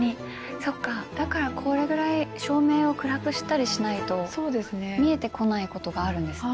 そっかだからこれぐらい照明を暗くしたりしないと見えてこないことがあるんですね。